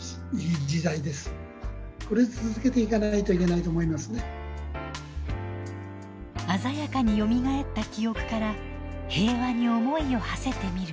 最終的に鮮やかによみがえった記憶から平和に思いをはせてみる。